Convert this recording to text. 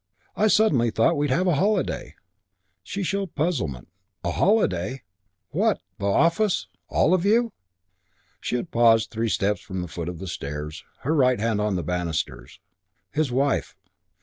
I suddenly thought we'd have a holiday." She showed puzzlement. "A holiday? What, the office? All of you?" She had paused three steps from the foot of the stairs, her right hand on the banisters. His wife!...